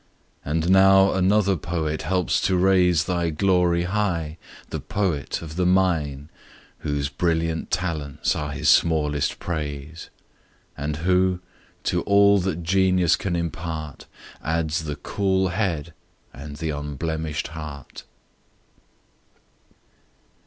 And now another poet helps to raise Thy glory high the poet of the MINE , Whose brilliant talents are his smallest praise: And who, to all that genius can impart, Adds the cool head, and the unblemish'd heart.